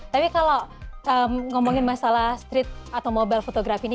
tapi kalau ngomongin masalah street atau mobile photograph ini